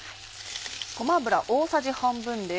ごま油大さじ半分です。